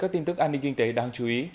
các tin tức an ninh kinh tế đáng chú ý